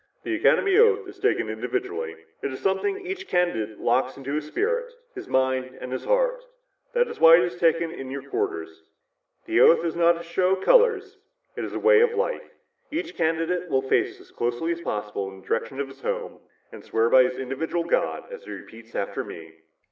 "The Academy oath is taken individually. "It is something each candidate locks in his spirit, his mind and his heart. That is why it is taken in your quarters. The oath is not a show of color, it is a way of life. Each candidate will face as closely as possible in the direction of his home and swear by his own individual God as he repeats after me."